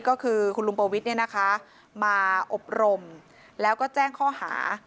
ก็คือคุณลุงปวิทย์มาอบรมแล้วก็แจ้งข้อหา